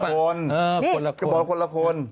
คนละคนขบวนคนละคน